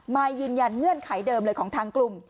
มายืนยันเงื่อนไขเดิมเลยของทางกลุ่ม